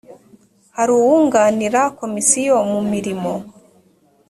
hari uwunganira komisiyo mu mirimo